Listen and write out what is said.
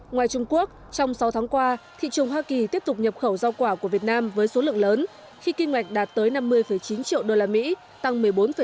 ngoài trung quốc trong sáu tháng qua thị trường hoa kỳ tiếp tục nhập khẩu rau quả của việt nam với số lượng lớn khi kinh ngạch đạt tới năm mươi chín triệu usd tăng một mươi bốn năm